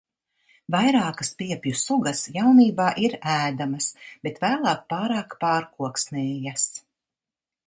Vairākas piepju sugas jaunībā ir ēdamas, bet vēlāk pārāk pārkoksnējas.